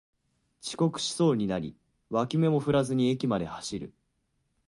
遅刻しそうになり脇目も振らずに駅まで走る